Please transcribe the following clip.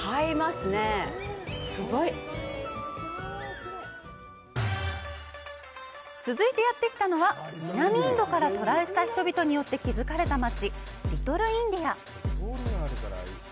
すごい！続いてやってきたのは、南インドから渡来した人々によって築かれた街・リトルインディア。